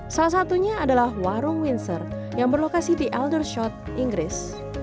salah satunya adalah warung windsor yang berlokasi di eldershot inggris